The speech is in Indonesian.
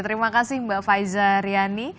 terima kasih mbak faiza riani